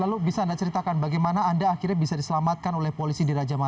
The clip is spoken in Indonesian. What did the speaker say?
lalu bisa anda ceritakan bagaimana anda akhirnya bisa diselamatkan oleh polisi di raja malaysia